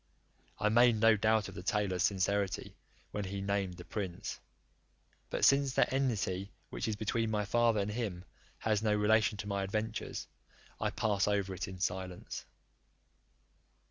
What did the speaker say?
I made no doubt of the tailor's sincerity, when he named the prince: but since that enmity which is between my father and him has no relation to my adventures, I pass it over in silence.